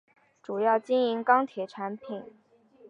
主要经营钢铁产品。